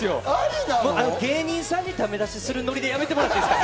芸人さんにだめ出しするノリやめてもらえますか？